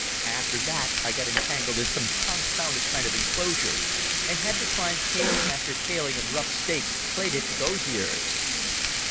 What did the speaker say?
After that I got entangled in some confounded kind of enclosure and had to climb paling after paling of rough stakes plaited with osiers.